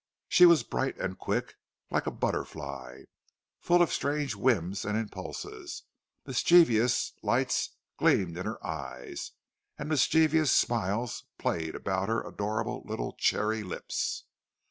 She was bright and quick, like a butterfly, full of strange whims and impulses; mischievous lights gleamed in her eyes and mischievous smiles played about her adorable little cherry lips.